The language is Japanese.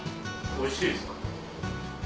おいしいですか？